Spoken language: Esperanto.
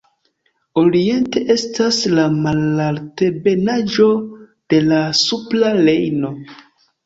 Oriente estas la malaltebenaĵo de la supra Rejno.